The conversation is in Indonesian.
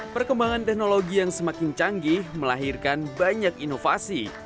perkembangan teknologi yang semakin canggih melahirkan banyak inovasi